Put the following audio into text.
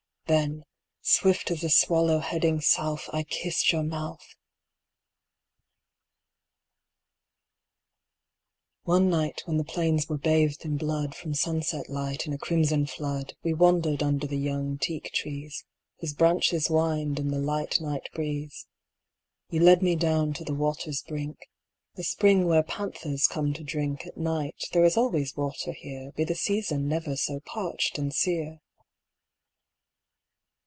Then, swift as a swallow heading south, I kissed your mouth! 1 1 The Teak One night when the plains were bathed in blood Forest From sunset light in a crimson flood, We wandered under the young teak trees Whose branches whined in the light night breeze; You led me down to the water's brink, " The Spring where the Panthers come to drink At night; there is always water here Be the season never so parched and sere."